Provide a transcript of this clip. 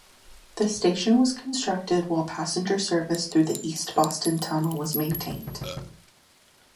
The station was constructed while passenger service through the East Boston Tunnel was maintained.